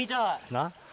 なっ。